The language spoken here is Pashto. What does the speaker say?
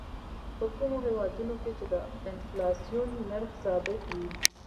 په کومو هېوادونو کې چې د انفلاسیون نرخ ثابت وي.